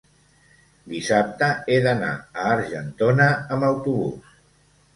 dissabte he d'anar a Argentona amb autobús.